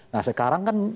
nah sekarang kan